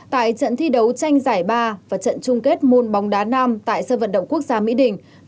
tại trận thi đấu tranh giải ba và trận chung kết môn bóng đá nam tại sân vận động quốc gia mỹ đình